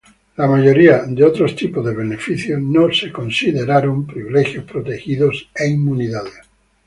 La mayoría de otros tipos de beneficios no fueron considerados privilegios protegidos e inmunidades.